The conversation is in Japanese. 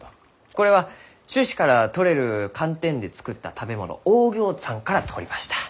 これは種子からとれるカンテンで作った食べ物オーギョーツァンから取りました。